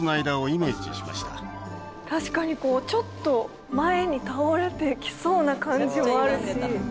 確かにこうちょっと前に倒れてきそうな感じもあるし。